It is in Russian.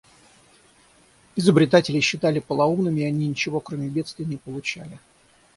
Изобретателей считали полоумными, и они ничего, кроме бедствий, не получали.